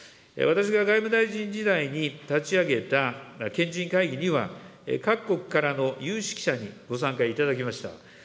私が外務大臣時代に立ち上げた賢人会議には、各国からの有識者にご参加いただきました。